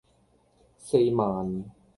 四萬